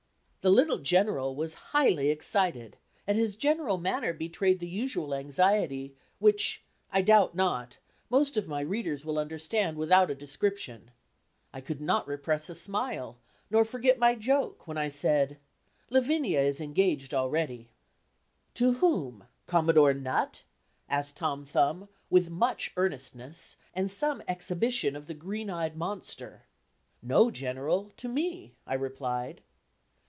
The little General was highly excited, and his general manner betrayed the usual anxiety, which, I doubt not, most of my readers will understand without a description. I could not repress a smile, nor forget my joke; and I said: "Lavinia is engaged already." "To whom Commodore Nutt?" asked Tom Thumb, with much earnestness, and some exhibition of the "green eyed monster." "No, General, to me," I replied.